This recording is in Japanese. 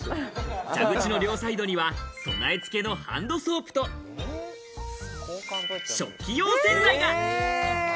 蛇口の両サイドには備え付けのハンドソープと食器用洗剤が！